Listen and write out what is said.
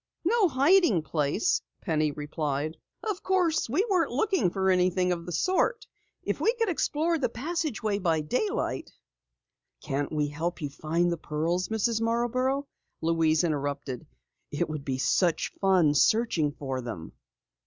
"No hiding place," Penny replied. "Of course we weren't looking for anything of the sort. If we could explore the passageway by daylight " "Can't we help you find the pearls, Mrs. Marborough?" Louise interrupted. "It would be such fun searching for them."